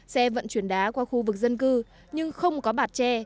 xe vận chuyển đá qua khu vực dân cư nhưng không có bạt tre